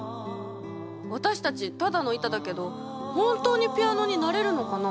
私たちただの板だけど本当にピアノになれるのかな？